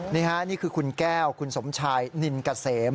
นี่ค่ะนี่คือคุณแก้วคุณสมชายนินเกษม